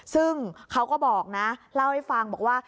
ซึ่งเขาก็บอกนะเล่าให้ฟังบอกว่า